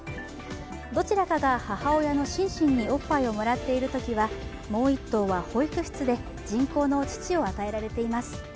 どちらかが母親のシンシンにおっぱいをもらっているときはもう１頭は保育室で人工の乳を与えられています。